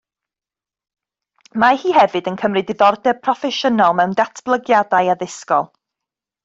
Mae hi hefyd yn cymryd diddordeb proffesiynol mewn datblygiadau addysgol